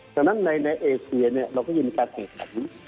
ดังนั้นในเอเซียเนี่ยเราก็ยินมีการแข่งขัน